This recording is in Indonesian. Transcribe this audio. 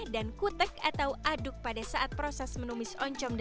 dan kutek atau aduk pada saat proses menumis oncomnya